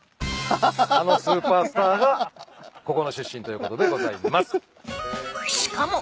あのスーパースターがここの出身ということでございます。